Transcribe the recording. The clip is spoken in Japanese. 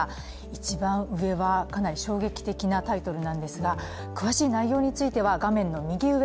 一番上はかなり衝撃的なタイトルなんですが詳しい内容については画面の右上